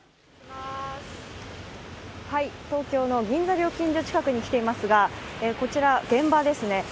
東京の銀座料金所近くに来ていますが、こちら現場ですね。